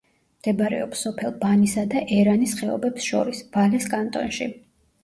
მდებარეობს სოფელ ბანისა და ერანის ხეობებს შორის, ვალეს კანტონში.